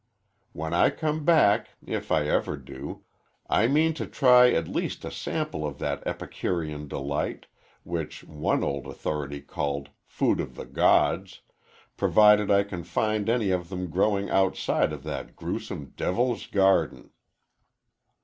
When I come back if I ever do I mean to try at least a sample of that epicurean delight, which one old authority called 'food of the gods,' provided I can find any of them growing outside of that gruesome 'Devil's Garden.'"